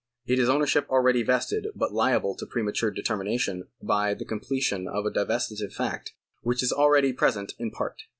It is ownership already vested, but liable to premature determination by the comple tion of a divestitive fact which is already present in part.